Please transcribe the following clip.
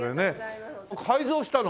改造したの？